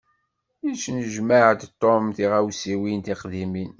Yettejmaɛ-d Tom tiɣawsiwin tiqdimin.